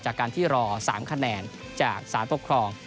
จากการที่รอสามคะแนนจากศาสตร์ปกครอง